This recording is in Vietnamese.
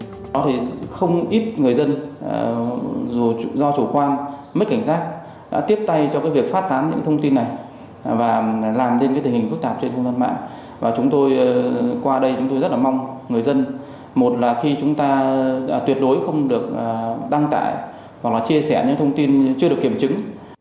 những tin giả bổ vây ở hầu hết mọi lĩnh vực đời sống kinh tế chính trị văn hóa xã hội đều do các cơ quan mất cảnh sát tiếp tay cho việc phát tán những thông tin này và làm nên cái tình hình phức tạp trên thông tin mạng và chúng tôi qua đây chúng tôi rất là mong người dân một là khi chúng ta tuyệt đối không được đăng tải hoặc là chia sẻ những thông tin chưa được kiểm chứng